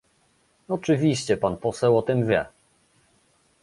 Oczywiście pan poseł o tym wie